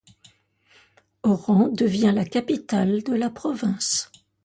Oran devient la capitale de la province.